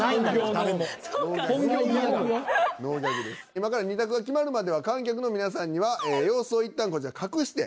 今から２択が決まるまでは観客の皆さんには様子を一旦こちら隠して。